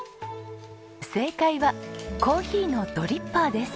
正解はコーヒーのドリッパーです。